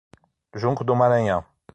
Junco do Maranhão